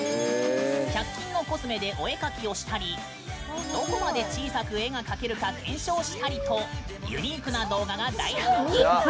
１００均のコスメでお絵描きをしたりどこまで小さく絵が描けるか検証したりとユニークな動画が大人気。